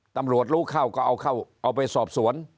ตำรวจรู้เข้าก็เอาเข้าเอาไปสอบสวน